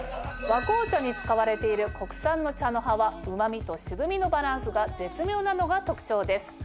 和紅茶に使われている国産の茶の葉はうま味と渋みのバランスが絶妙なのが特長です。